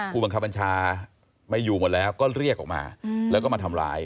ผู้บังคับบัญชาไม่อยู่หมดแล้วก็เรียกออกมาแล้วก็มาทำร้าย